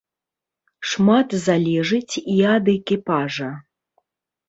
Шмат залежыць і ад экіпажа.